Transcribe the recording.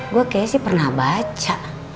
gue kayaknya sih pernah baca